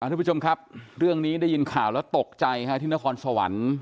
ทุกผู้ชมครับเรื่องนี้ได้ยินข่าวแล้วตกใจที่นครสวรรค์